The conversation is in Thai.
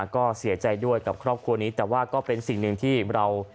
ก็เสียใจด้วยกับครอบครัวนี้แต่ว่าก็เป็นสิ่งหนึ่งที่เรา